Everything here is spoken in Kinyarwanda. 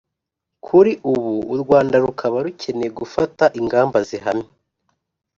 kuri ubu u rwanda rukaba rukeneye gufata ingamba zihamye